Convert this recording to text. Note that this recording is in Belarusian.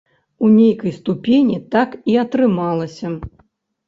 У нейкай ступені так і атрымалася.